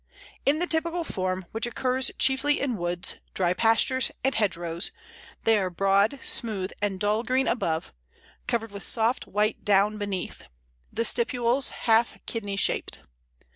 In the typical form, which occurs chiefly in woods, dry pastures, and hedgerows, they are broad, smooth, and dull green above, covered with soft white down beneath; the stipules half kidney shaped.